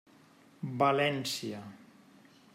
València.